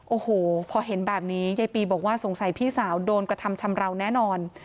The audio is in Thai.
โอ้โหพอเห็นแบบนี้ยายปีบอกว่าสงสัยพี่สาวโดนกระทำชำราวแน่นอน